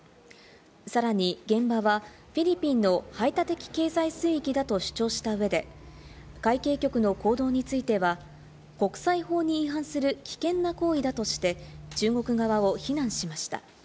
さらに現場はフィリピンの排他的経済水域だと主張した上で、海警局の行動については国際法に違反する危険な行為だとして中国側を非難しました。